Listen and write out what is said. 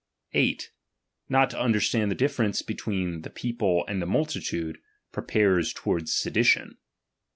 8> Not to Understand the ditference between the people and the multitude, prepares toward sedition.